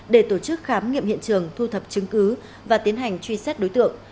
để tổ chức khám nghiệm hiện trường thu thập chứng cứ và tiến hành truy xét đối tượng